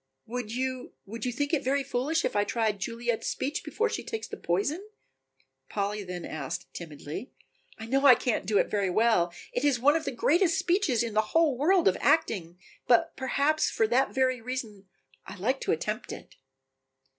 "Would you would you think it very foolish if I tried Juliet's speech before she takes the poison?" Polly then asked timidly. "I know I can't do it very well, it is one of the greatest speeches in the whole world of acting, but perhaps for that very reason I like to attempt it."